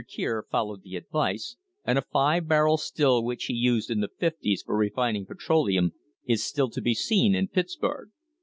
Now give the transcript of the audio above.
Kier followed the advice, and a five barrel still which he used in the fifties for refining petroleum is still to be seen in Pittsburg.